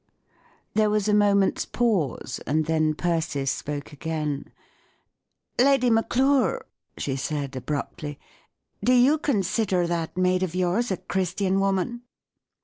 There was a moment's pause, and then Persis spoke again :—" Lady Maclure," she said, abruptly, 14 do you consider that maid of yours a Christian w oman